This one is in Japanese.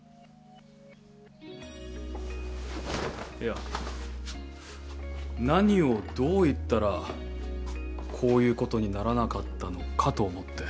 いや何をどう言ったらこういうことにならなかったのかと思って。